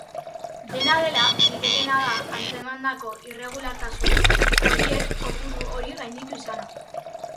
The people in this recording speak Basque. Dena dela, litekeena da antzemandako irregulartasun horiek kopuru hori gainditu izana.